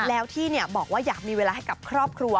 แล้วที่บอกว่าอยากมีเวลาให้กับครอบครัว